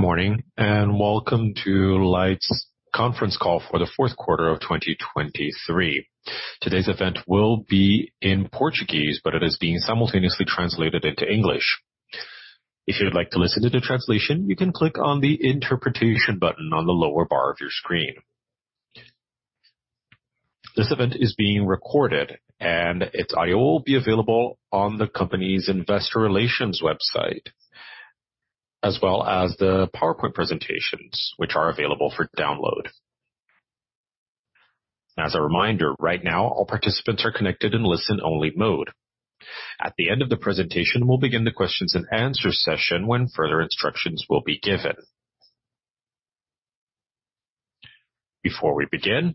Good morning and welcome to Light's conference call for the fourth quarter of 2023. Today's event will be in Portuguese, but it is being simultaneously translated into English. If you'd like to listen to the translation, you can click on the interpretation button on the lower bar of your screen. This event is being recorded, and its audio will be available on the company's investor relations website, as well as the PowerPoint presentations, which are available for download. As a reminder, right now all participants are connected in listen-only mode. At the end of the presentation, we'll begin the questions and answers session when further instructions will be given. Before we begin,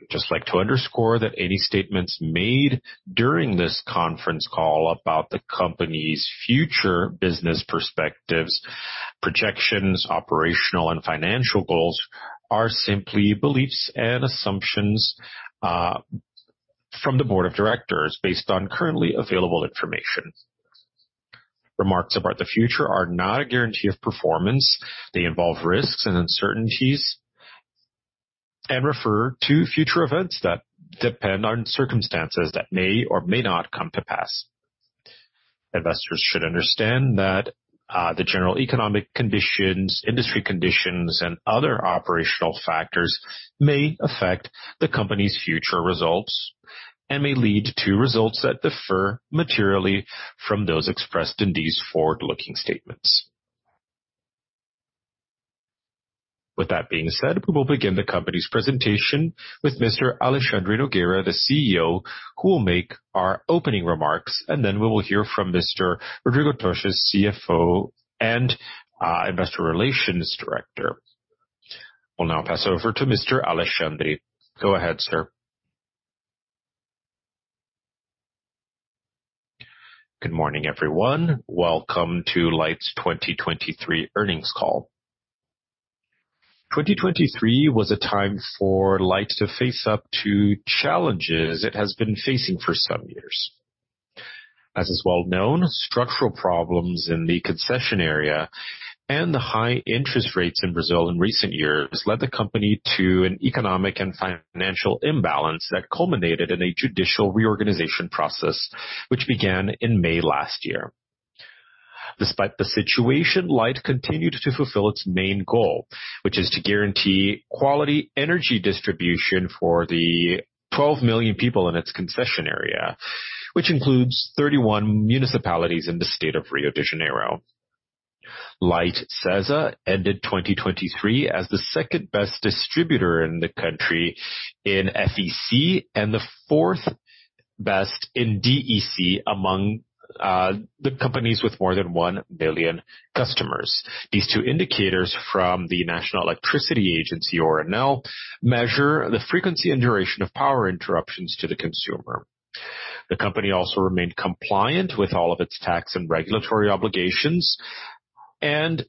I'd just like to underscore that any statements made during this conference call about the company's future business perspectives, projections, operational and financial goals are simply beliefs and assumptions from the board of directors based on currently available information. Remarks about the future are not a guarantee of performance. They involve risks and uncertainties and refer to future events that depend on circumstances that may or may not come to pass. Investors should understand that the general economic conditions, industry conditions, and other operational factors may affect the company's future results and may lead to results that differ materially from those expressed in these forward-looking statements. With that being said, we will begin the company's presentation with Mr. Alexandre Nogueira, the CEO, who will make our opening remarks, and then we will hear from Mr. Rodrigo Tostes, CFO and Investor Relations Director. We'll now pass over to Mr. Alexandre. Go ahead, sir. Good morning, everyone. Welcome to Light's 2023 earnings call. 2023 was a time for Light to face up to challenges it has been facing for some years. As is well known, structural problems in the concession area and the high interest rates in Brazil in recent years led the company to an economic and financial imbalance that culminated in a judicial reorganization process which began in May last year. Despite the situation, Light continued to fulfill its main goal, which is to guarantee quality energy distribution for the 12 million people in its concession area, which includes 31 municipalities in the state of Rio de Janeiro. Light SESA ended 2023 as the second-best distributor in the country in FEC and the fourth-best in DEC among the companies with more than 1 million customers. These two indicators from the National Electricity Agency, or ANEEL, measure the frequency and duration of power interruptions to the consumer. The company also remained compliant with all of its tax and regulatory obligations and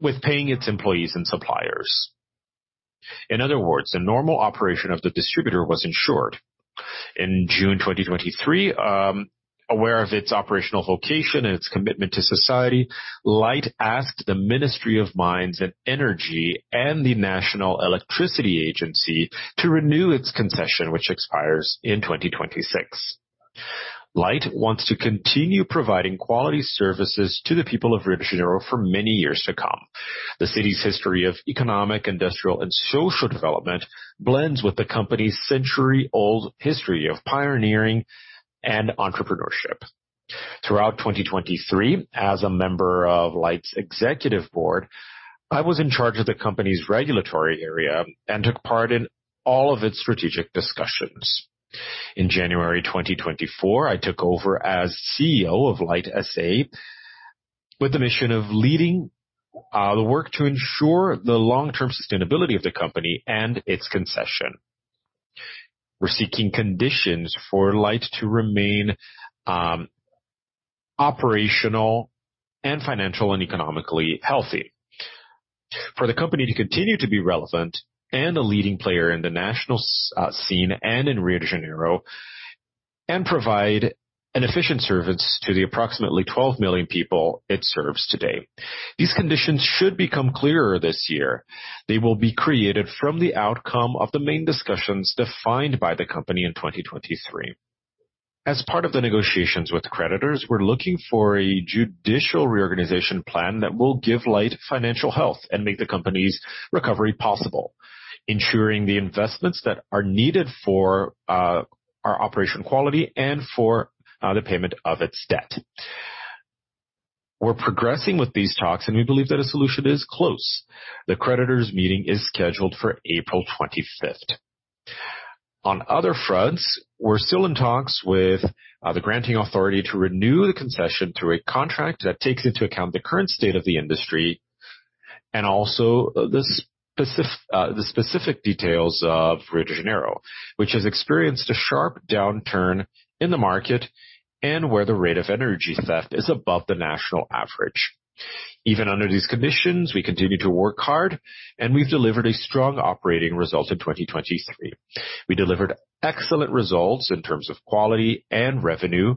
with paying its employees and suppliers. In other words, the normal operation of the distributor was ensured. In June 2023, aware of its operational vocation and its commitment to society, Light asked the Ministry of Mines and Energy and the National Electricity Agency to renew its concession, which expires in 2026. Light wants to continue providing quality services to the people of Rio de Janeiro for many years to come. The city's history of economic, industrial, and social development blends with the company's century-old history of pioneering and entrepreneurship. Throughout 2023, as a member of Light S.A.'s executive board, I was in charge of the company's regulatory area and took part in all of its strategic discussions. In January 2024, I took over as CEO of Light S.A. with the mission of leading the work to ensure the long-term sustainability of the company and its concession. We're seeking conditions for Light S.A. to remain operational and financial and economically healthy, for the company to continue to be relevant and a leading player in the national scene and in Rio de Janeiro, and provide an efficient service to the approximately 12 million people it serves today. These conditions should become clearer this year. They will be created from the outcome of the main discussions defined by the company in 2023. As part of the negotiations with creditors, we're looking for a judicial reorganization plan that will give Light financial health and make the company's recovery possible, ensuring the investments that are needed for our operation quality and for the payment of its debt. We're progressing with these talks, and we believe that a solution is close. The creditors' meeting is scheduled for April 25th. On other fronts, we're still in talks with the granting authority to renew the concession through a contract that takes into account the current state of the industry and also the specific details of Rio de Janeiro, which has experienced a sharp downturn in the market and where the rate of energy theft is above the national average. Even under these conditions, we continue to work hard, and we've delivered a strong operating result in 2023. We delivered excellent results in terms of quality and revenue,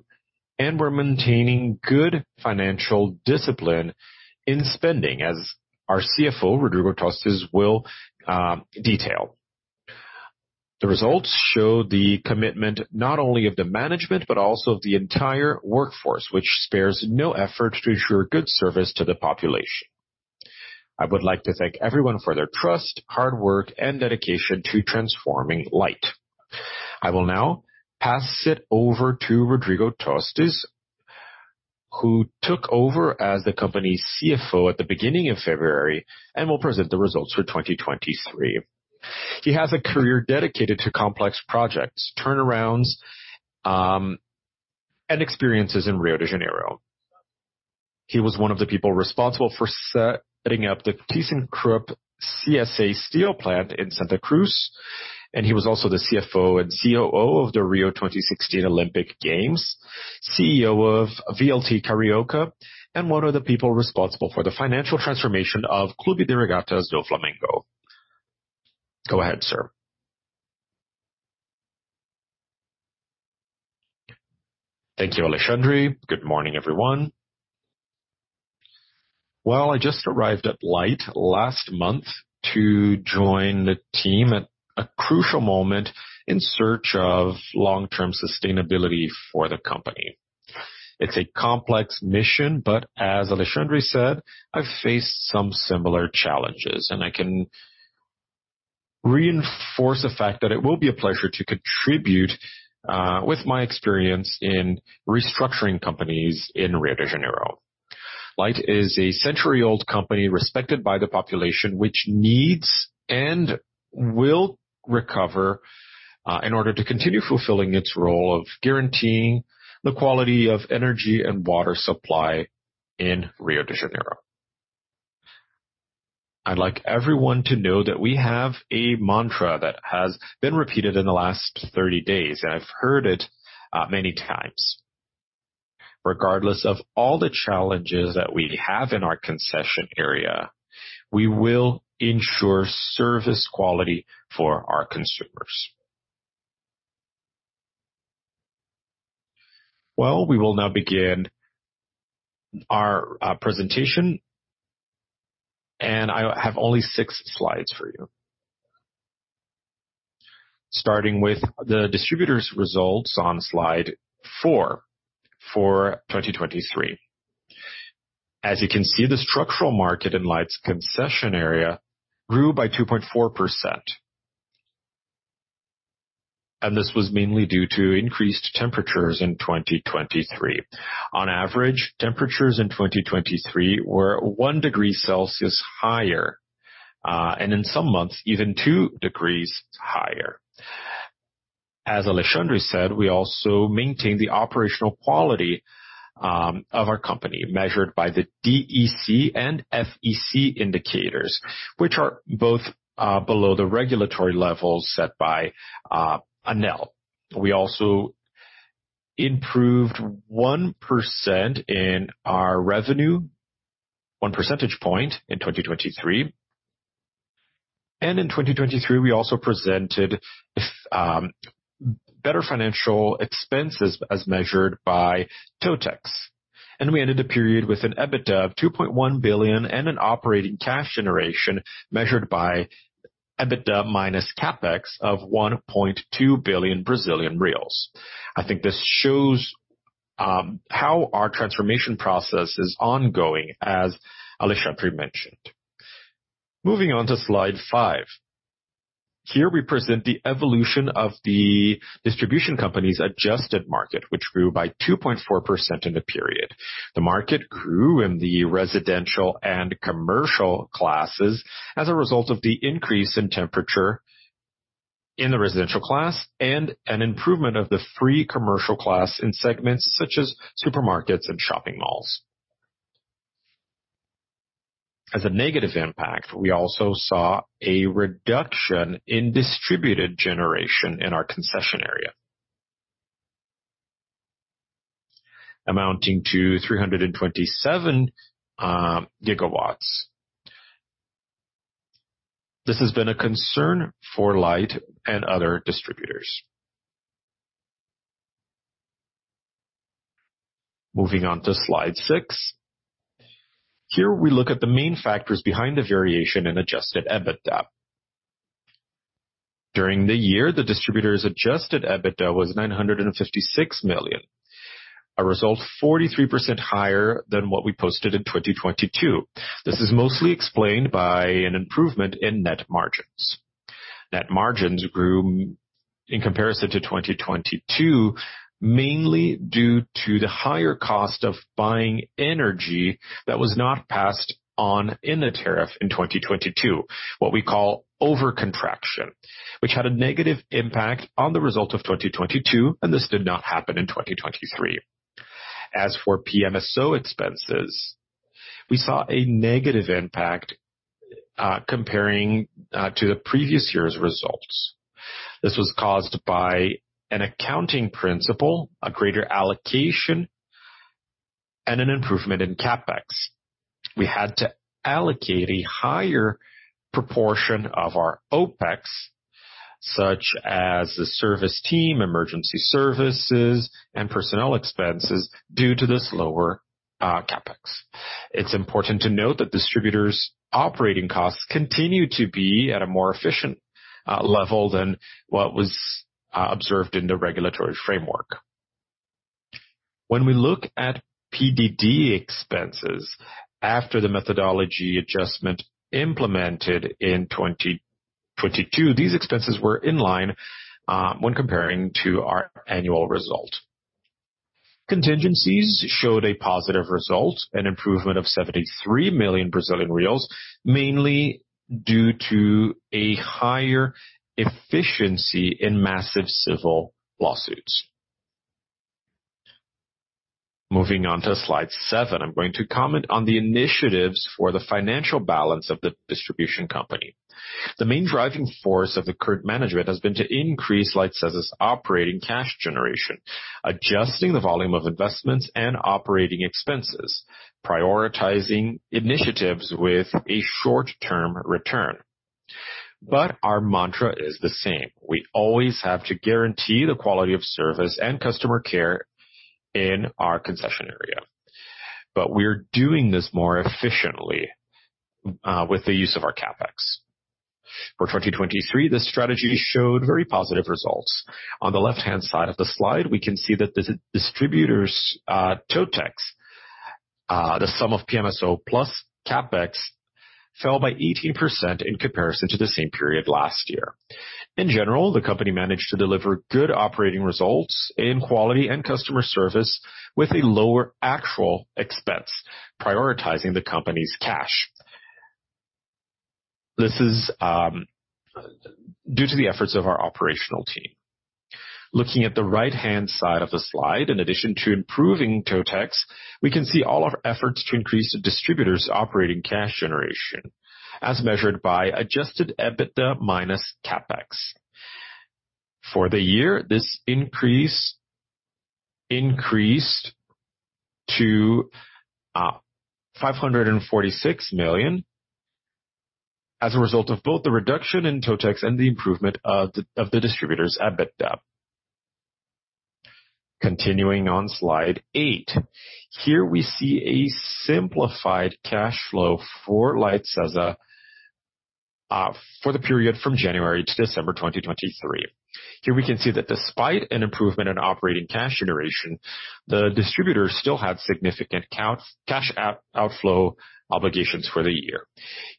and we're maintaining good financial discipline in spending, as our CFO, Rodrigo Tostes, will detail. The results show the commitment not only of the management but also of the entire workforce, which spares no effort to ensure good service to the population. I would like to thank everyone for their trust, hard work, and dedication to transforming Light. I will now pass it over to Rodrigo Tostes, who took over as the company's CFO at the beginning of February and will present the results for 2023. He has a career dedicated to complex projects, turnarounds, and experiences in Rio de Janeiro. He was one of the people responsible for setting up the ThyssenKrupp CSA steel plant in Santa Cruz, and he was also the CFO and COO of the Rio 2016 Olympic Games, CEO of VLT Carioca, and one of the people responsible for the financial transformation of Clube de Regatas do Flamengo. Go ahead, sir. Thank you, Alexandre. Good morning, everyone. Well, I just arrived at Light last month to join the team at a crucial moment in search of long-term sustainability for the company. It's a complex mission, but as Alexandre said, I've faced some similar challenges, and I can reinforce the fact that it will be a pleasure to contribute with my experience in restructuring companies in Rio de Janeiro. Light is a century-old company respected by the population, which needs and will recover in order to continue fulfilling its role of guaranteeing the quality of energy and water supply in Rio de Janeiro. I'd like everyone to know that we have a mantra that has been repeated in the last 30 days, and I've heard it many times. Regardless of all the challenges that we have in our concession area, we will ensure service quality for our consumers. Well, we will now begin our presentation, and I have only six slides for you, starting with the distributors' results on slide 4 for 2023. As you can see, the structural market in Light's concession area grew by 2.4%, and this was mainly due to increased temperatures in 2023. On average, temperatures in 2023 were one degree Celsius higher and in some months even two degrees higher. As Alexandre said, we also maintain the operational quality of our company measured by the DEC and FEC indicators, which are both below the regulatory levels set by ANEEL. We also improved 1% in our revenue percentage point in 2023. In 2023, we also presented better financial expenses as measured by TOTEX, and we ended the period with an EBITDA of 2.1 billion and an operating cash generation measured by EBITDA minus CAPEX of 1.2 billion Brazilian reais. I think this shows how our transformation process is ongoing, as Alexandre mentioned. Moving on to slide 5. Here, we present the evolution of the distribution company's adjusted market, which grew by 2.4% in the period. The market grew in the residential and commercial classes as a result of the increase in temperature in the residential class and an improvement of the free commercial class in segments such as supermarkets and shopping malls. As a negative impact, we also saw a reduction in distributed generation in our concession area, amounting to 327 gigawatts. This has been a concern for Light and other distributors. Moving on to Slide 6. Here, we look at the main factors behind the variation in Adjusted EBITDA. During the year, the distributors' Adjusted EBITDA was 956 million, a result 43% higher than what we posted in 2022. This is mostly explained by an improvement in net margins. Net margins grew in comparison to 2022 mainly due to the higher cost of buying energy that was not passed on in the tariff in 2022, what we call overcontraction, which had a negative impact on the result of 2022, and this did not happen in 2023. As for PMSO expenses, we saw a negative impact comparing to the previous year's results. This was caused by an accounting principle, a greater allocation, and an improvement in CAPEX. We had to allocate a higher proportion of our OPEX, such as the service team, emergency services, and personnel expenses, due to this lower CAPEX. It's important to note that distributors' operating costs continue to be at a more efficient level than what was observed in the regulatory framework. When we look at PDD expenses after the methodology adjustment implemented in 2022, these expenses were in line when comparing to our annual result. Contingencies showed a positive result, an improvement of 73 million Brazilian reais, mainly due to a higher efficiency in massive civil lawsuits. Moving on to slide 7, I'm going to comment on the initiatives for the financial balance of the distribution company. The main driving force of the current management has been to increase Light's operating cash generation, adjusting the volume of investments and operating expenses, prioritizing initiatives with a short-term return. But our mantra is the same. We always have to guarantee the quality of service and customer care in our concession area, but we're doing this more efficiently with the use of our CAPEX. For 2023, this strategy showed very positive results. On the left-hand side of the slide, we can see that the distributors' TOTEX, the sum of PMSO plus CAPEX, fell by 18% in comparison to the same period last year. In general, the company managed to deliver good operating results in quality and customer service with a lower actual expense, prioritizing the company's cash. This is due to the efforts of our operational team. Looking at the right-hand side of the slide, in addition to improving TOTEX, we can see all our efforts to increase the distributors' operating cash generation as measured by adjusted EBITDA minus CAPEX. For the year, this increased to 546 million as a result of both the reduction in TOTEX and the improvement of the distributors' EBITDA. Continuing on slide 8. Here, we see a simplified cash flow for Light SESA for the period from January to December 2023. Here, we can see that despite an improvement in operating cash generation, the distributors still had significant cash outflow obligations for the year.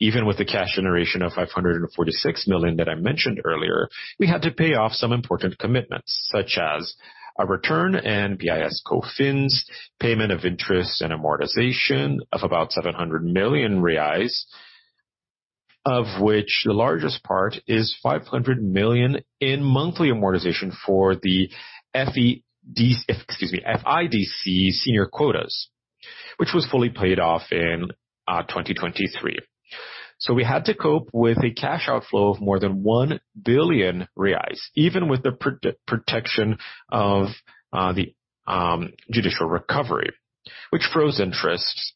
Even with the cash generation of 546 million that I mentioned earlier, we had to pay off some important commitments, such as a return and PIS/COFINS, payment of interest and amortization of about 700 million reais, of which the largest part is 500 million in monthly amortization for the FIDC senior quotas, which was fully paid off in 2023. So we had to cope with a cash outflow of more than 1 billion reais, even with the protection of the judicial recovery, which froze interests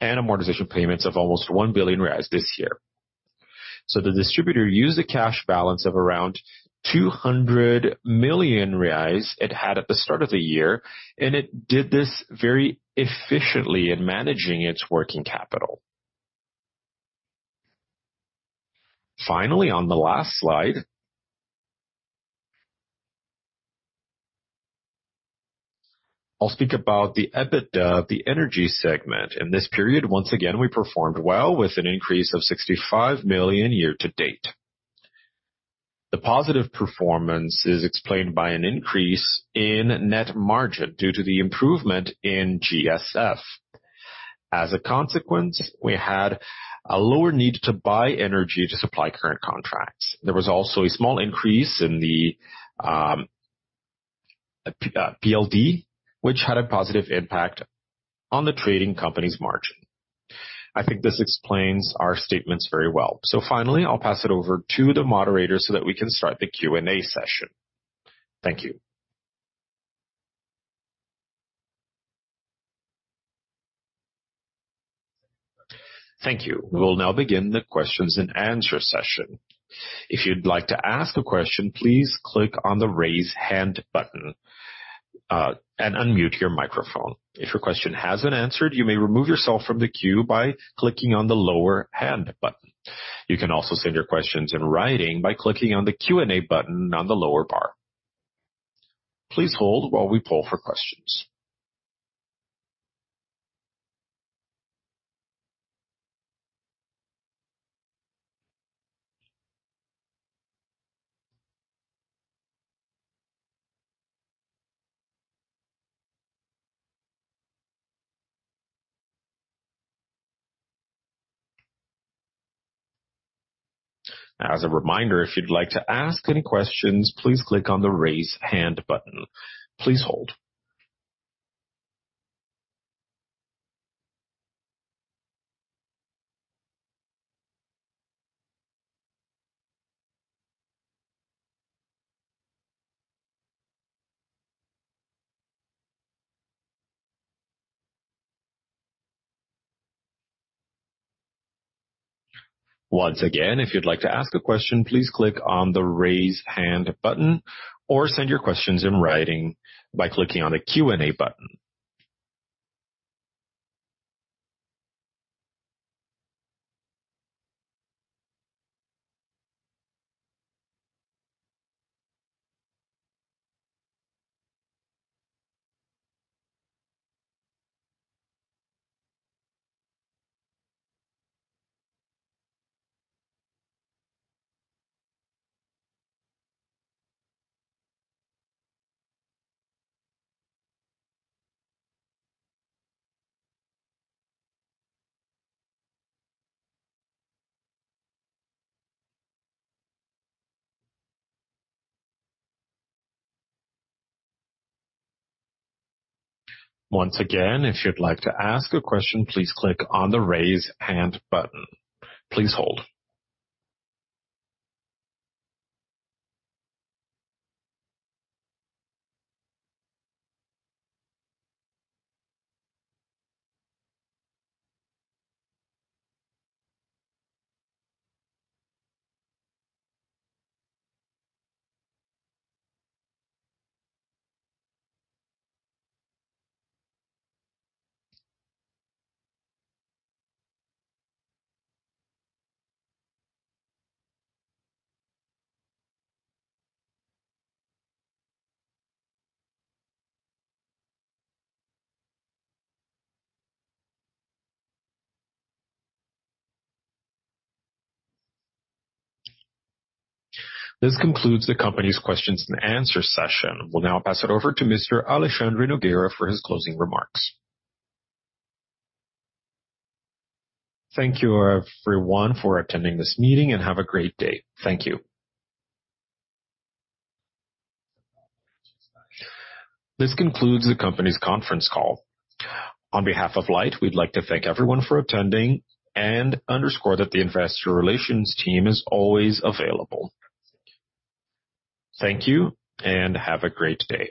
and amortization payments of almost 1 billion reais this year. So the distributor used a cash balance of around 200 million reais it had at the start of the year, and it did this very efficiently in managing its working capital. Finally, on the last slide, I'll speak about the EBITDA of the energy segment. In this period, once again, we performed well with an increase of 65 million year to date. The positive performance is explained by an increase in net margin due to the improvement in GSF. As a consequence, we had a lower need to buy energy to supply current contracts. There was also a small increase in the PLD, which had a positive impact on the trading company's margin. I think this explains our statements very well. So finally, I'll pass it over to the moderator so that we can start the Q&A session. Thank you. Thank you. We will now begin the questions and answers session. If you'd like to ask a question, please click on the raise hand button and unmute your microphone. If your question has been answered, you may remove yourself from the queue by clicking on the lower hand button. You can also send your questions in writing by clicking on the Q&A button on the lower bar. Please hold while we pull for questions. As a reminder, if you'd like to ask any questions, please click on the raise hand button. Please hold. Once again, if you'd like to ask a question, please click on the raise hand button or send your questions in writing by clicking on the Q&A button. Once again, if you'd like to ask a question, please click on the raise hand button. Please hold. This concludes the company's questions and answers session. We'll now pass it over to Mr. Alexandre Nogueira for his closing remarks. Thank you, everyone, for attending this meeting, and have a great day. Thank you. This concludes the company's conference call. On behalf of Light, we'd like to thank everyone for attending and underscore that the investor relations team is always available. Thank you, and have a great day.